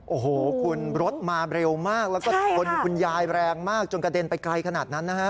โอ้โหคุณรถมาเร็วมากแล้วก็ชนคุณยายแรงมากจนกระเด็นไปไกลขนาดนั้นนะฮะ